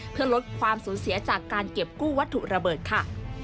เพื่อลดความสูญเสียจากการเก็บกู้วัตถุระเบิดค่ะ